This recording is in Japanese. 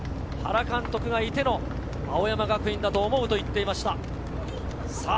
原監督がいての青山学院だと思うと言っていました。